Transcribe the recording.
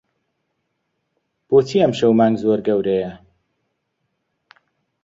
بۆچی ئەمشەو مانگ زۆر گەورەیە؟